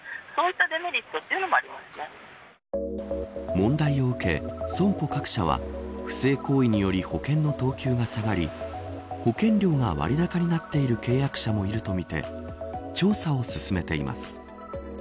問題を受け、損保各社は不正行為により保険の等級が下がり保険料が割高になっている契約者もいるとみて調査を進めています。